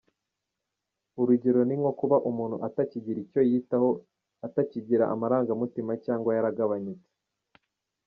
Urugero ni nko kuba umuntu atakigira icyo yitaho, atakigira amarangamutima cyangwa yaragabanutse.